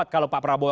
kalau pak prabowo